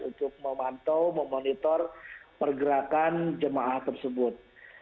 untuk memantau memonitor pergerakan jemaah tersebut